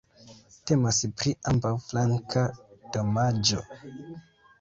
Temas pri ambaŭflanka damaĝo.